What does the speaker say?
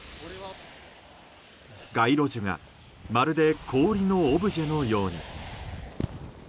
街路樹がまるで氷のオブジェのように。